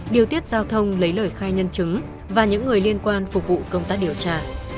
điều tiết giao thông lấy lời khai nhân chứng và những người liên quan phục vụ công tác điều tra